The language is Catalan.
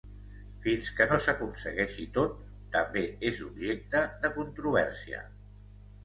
"Fins que no s'aconsegueixi tot" també és objecte de controvèrsia.